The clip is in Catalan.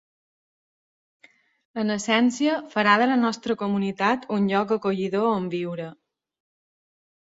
En essència, farà de la nostra comunitat un lloc acollidor on viure.